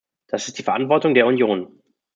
Das ist die Verantwortung der Union.